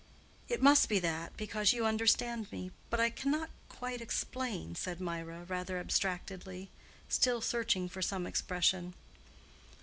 "It must be that, because you understand me, but I cannot quite explain," said Mirah, rather abstractedly—still searching for some expression.